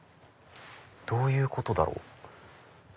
どういうことだろう？